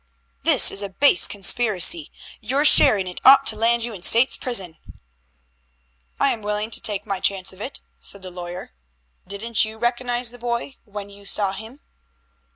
"This is a base conspiracy. Your share in it ought to land you in State's prison." "I am willing to take my chance of it," said the lawyer. "Didn't you recognize the boy when you saw him?"